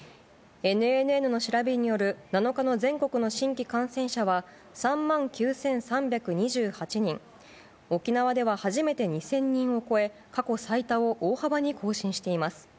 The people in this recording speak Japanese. ＮＮＮの調べによる７日の全国の新規感染者は３万９３２８人、沖縄では初めて２０００人を超え、過去最多を大幅に更新しています。